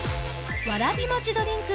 わらび餅ドリンク